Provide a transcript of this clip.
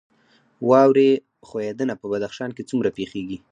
واورې ښویدنه په بدخشان کې څومره پیښیږي؟